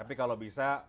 tapi kalau bisa